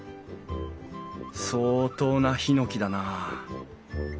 相当なヒノキだなあ。